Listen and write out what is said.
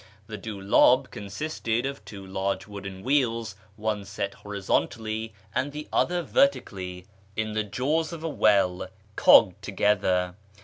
The duldh consisted of two large wooden wheels, one set horizontally and the other vertically in the jaws of the KIRMAn society 443 well, cogged together.